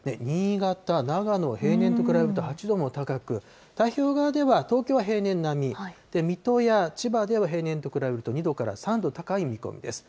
新潟、長野、平年と比べると８度も高く、太平洋側では東京は平年並み、水戸や千葉では平年と比べると２度から３度高い見込みです。